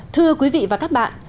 thưa quý vị và các bạn